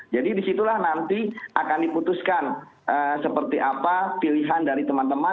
jadi di situlah nanti akan diputuskan seperti apa pilihan dari teman teman